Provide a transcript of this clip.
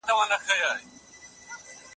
انټرنټ د لټون کار ډېر ساده کوي.